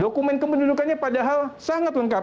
dokumen kependudukannya padahal sangat lengkap